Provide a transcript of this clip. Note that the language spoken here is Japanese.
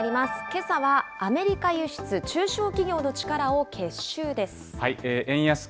けさはアメリカ輸出中小企業の力を結集です。